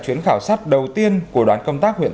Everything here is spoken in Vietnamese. chuyến khảo sát đầu tiên của đoàn công tác huyện